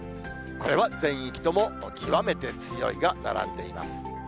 これは全域とも極めて強いが並んでいます。